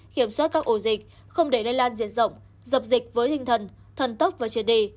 kiểm soát các ổ dịch không để lây lan diễn rộng dập dịch với hình thần thần tóc và trẻ đề